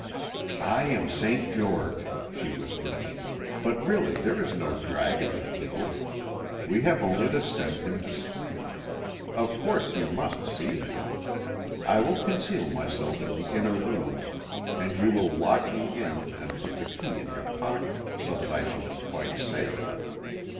"I am St. George," she whispered; "but really there is no dragon to kill; we have only to send him to sleep. Of course you must see him. I will conceal myself in the inner room, and you will lock me in, and put the key in your pocket, so that I shall be quite safe.